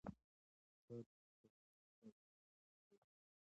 اقتصاد د اقتصادي پریکړو اغیزه اندازه کوي.